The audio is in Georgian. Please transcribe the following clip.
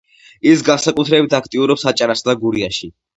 ის განსაკუთრებით აქტიურობს აჭარასა და გურიაში.